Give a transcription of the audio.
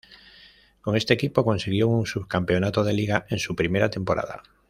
Con este equipo consiguió un subcampeonato de Liga en su primera temporada.